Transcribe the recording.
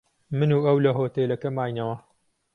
من و ئەو لە هۆتێلەکە ماینەوە.